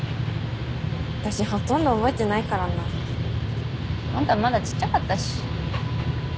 私ほとんど覚えてないからな。あんたまだちっちゃかったし。